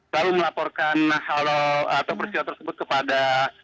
lalu melaporkan halo atau bersyarat tersebut kepada